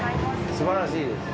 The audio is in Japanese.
すばらしいです。